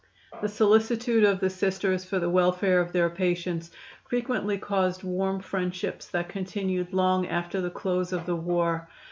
The solicitude of the Sisters for the welfare of their patients frequently caused warm friendships that continued long after the close of the war.